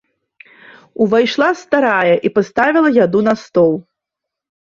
Увайшла старая і паставіла яду на стол.